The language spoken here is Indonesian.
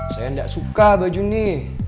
saya gak suka baju ini